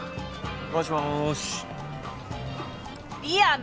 もしもし。